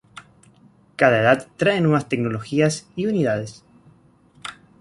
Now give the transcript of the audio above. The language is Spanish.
Cada edad trae nuevas tecnologías y unidades.